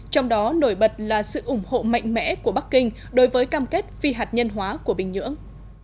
trong đó nổi bật là sự ủng hộ mạnh mẽ của bắc kinh đối với cam kết phi hạt nhân hóa của bình nhưỡng